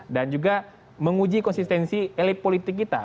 dan juga menguji konsistensi elek politik kita